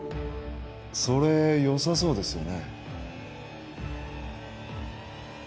それよさそうですよね